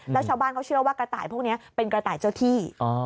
แล้วชาวบ้านเขาเชื่อว่ากระต่ายพวกนี้เป็นกระต่ายเจ้าที่